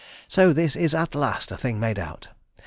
So this is at last a thing made out.